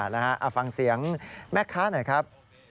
เอาฟังเสียงแม่ค้าหน่อยครับ